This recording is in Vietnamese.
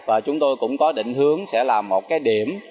và chúng tôi cũng có định hướng sẽ là một cái điểm